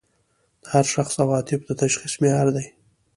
د هر شخص عواطف د تشخیص معیار دي.